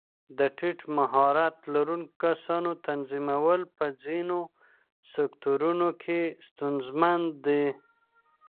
د ټیټ مهارت لرونکو کسانو تنظیمول په ځینو سکتورونو کې ستونزمن دي.